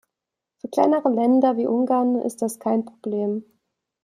Für kleinere Länder wie Ungarn ist das kein Problem.